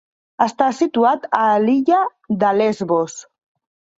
Està situat a l'illa de Lesbos.